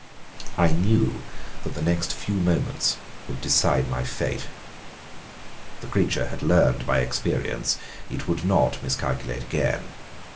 I knew that the next few moments would decide my fate. The creature had learned by experience. It would not miscalculate again.